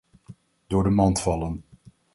Door de mand vallen.